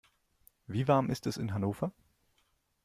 Wie warm ist es in Hannover?